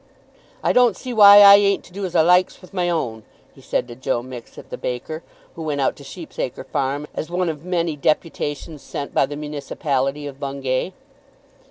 "I don't see why I ain't to do as I likes with my own," he said to Joe Mixet, the baker, who went out to Sheep's Acre Farm as one of many deputations sent by the municipality of Bungay.